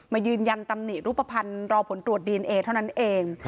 ยืนยันตำหนิรูปภัณฑ์รอผลตรวจดีเอนเอเท่านั้นเอง